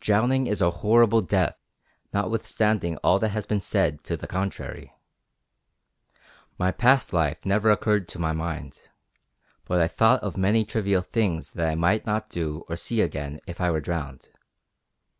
Drowning is a horrible death, notwithstanding all that has been said to the contrary. My past life never occurred to my mind, but I thought of many trivial things that I might not do or see again if I were drowned.